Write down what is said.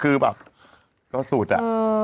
คือแบบก็สุดอะ